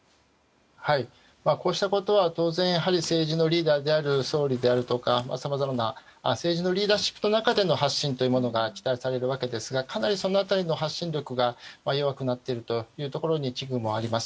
こうしたことは当然、政治のリーダーである総理であるとかさまざまな政治のリーダーシップの中での発信というものが期待されますがかなりその辺りの発信力が弱くなっているということに危惧もあります。